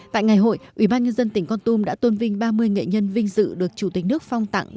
tại ngày hội ubnd tỉnh con tôm đã tôn vinh ba mươi nghệ nhân vinh dự được chủ tịch nước phong tặng